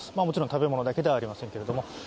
もちろん食べ物だけではありませんけれども。